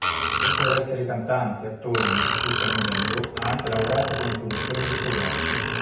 Oltre ad essere cantante, attore, musicista e modello, ha anche lavorato come produttore discografico.